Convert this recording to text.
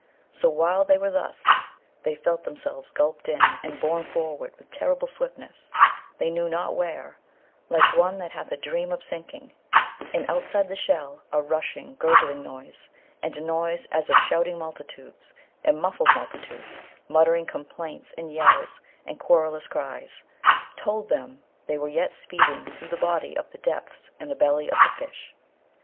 So, while they were thus, they felt themselves gulped in, and borne forward with terrible swiftness, they knew not where, like one that hath a dream of sinking; and outside the shell a rushing, gurgling noise, and a noise as of shouting multitudes, and muffled multitudes muttering complaints and yells and querulous cries, told them they were yet speeding through the body of the depths in the belly of the fish.